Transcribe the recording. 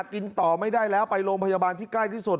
กินต่อไม่ได้แล้วไปโรงพยาบาลที่ใกล้ที่สุด